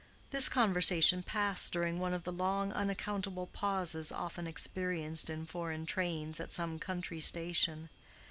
This conversation passed during one of the long unaccountable pauses often experienced in foreign trains at some country station.